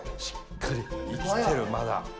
しっかり生きてるまだ。